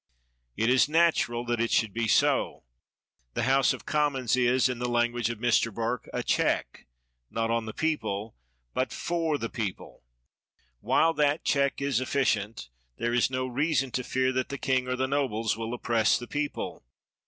It is natural that it should be so. The House of Commons is, in the language of Mr. Burke, a check, not on the people, but for the people. While that check is efficient, there is no reason to fear that the king or the nobles will oppress the people.